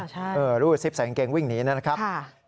ใช่รูดซิปใส่กางเกงวิ่งหนีนะครับ